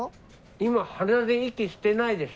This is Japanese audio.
今鼻で息してないでしょ。